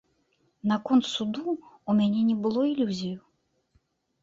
Наконт суду ў мяне не было ілюзіяў.